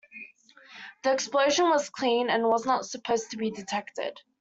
The explosion was clean and was not supposed to be detected.